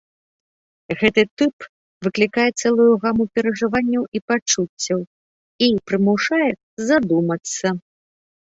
Гэты тып выклікае цэлую гаму перажыванняў і пачуццяў і прымушае задумацца.